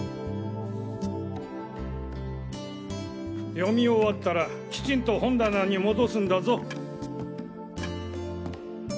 読み終わったらキチンと本棚に戻すんだぞ。